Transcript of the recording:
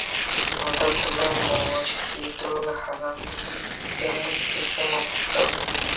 অতএব, তুমি মসজিদুল হারমের দিকে মুখ ফিরাও।